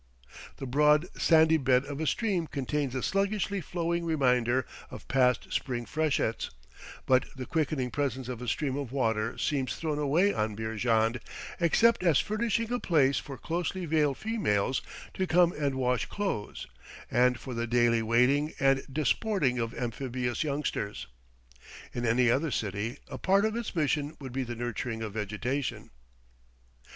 The broad, sandy bed of a stream contains a sluggishly flowing reminder of past spring freshets; but the quickening presence of a stream of water seems thrown away on Beerjand, except as furnishing a place for closely veiled females to come and wash clothes, and for the daily wading and disporting of amphibious youngsters. In any other city a part of its mission would be the nurturing of vegetation.